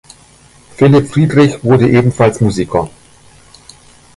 Philipp Friedrich wurde ebenfalls Musiker.